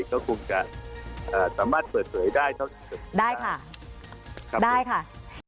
ก็คงจะสามารถเปิดสวยได้เท่าอยู่เข้าสุดท้าย